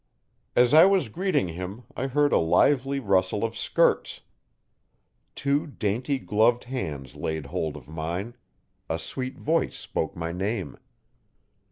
As I was greeting him I heard a lively rustle of skirts. Two dainty, gloved hands laid hold of mine; a sweet voice spoke my name.